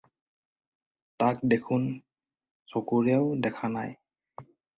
তাক দেখোন চকুৰেও দেখা নাই।